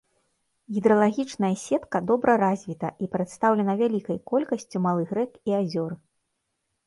Гідралагічная сетка добра развіта і прадстаўлена вялікай колькасцю малых рэк і азёр.